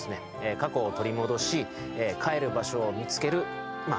過去を取り戻し帰る場所を見つけるまあ